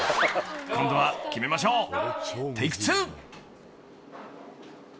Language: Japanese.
［今度は決めましょう］